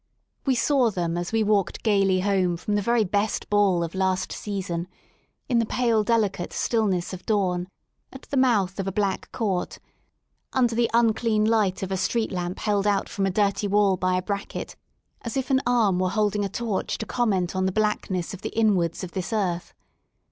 We saw them as we walked gaily home from the very best ball of last season, in the pale deli cate stillness of dawn, at the mouth of a black court, under the unclean light of a street lamp held out from 19 THE SOUL OF LONDON 1^^ off a dirty wall by a bracket, as if an arm were holdif _ torch to comment on the blackness of the inwards of this earth.